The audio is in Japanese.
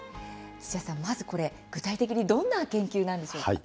土屋さん、まずこれ具体的にどんな研究なんでしょうか？